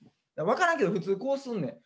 分からんけど普通こうすんねん。